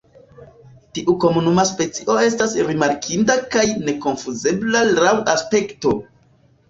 Tiu komuna specio estas rimarkinda kaj nekonfuzebla laŭ aspekto.